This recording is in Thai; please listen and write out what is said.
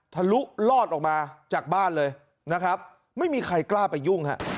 ทะลุลอดออกมาจากบ้านเลยนะครับไม่มีใครกล้าไปยุ่งฮะ